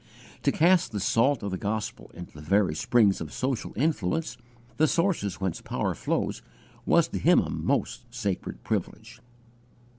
To cast the salt of the gospel into the very springs of social influence, the sources whence power flows, was to him a most sacred privilege.